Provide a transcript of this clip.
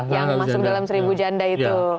yang masuk dalam seribu janda itu